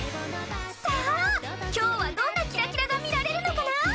さあ今日はどんなキラキラが見られるのかな？